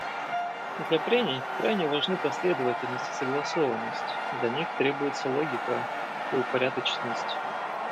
Для прений крайне важны последовательность и согласованность; для них требуются логика и упорядоченность.